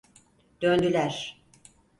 Döndüler!